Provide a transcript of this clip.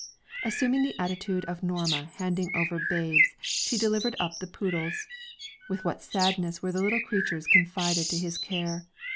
Assuming the attitude of Norma handing over babes, she delivered up the poodles. With what sadness were the little creatures confided to his care.